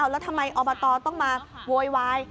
แล้วทำไมอบตต้องมาโวยวาย